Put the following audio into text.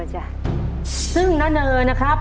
ห้านอย